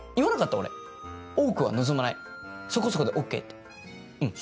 俺多くは望まないそこそこでＯＫってうんそう。